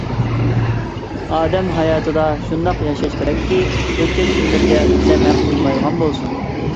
ئادەم ھاياتىدا شۇنداق ياشاش كېرەككى، ئۆتكەن كۈنلىرىگە پۇشايمان قىلمايدىغان بولسۇن!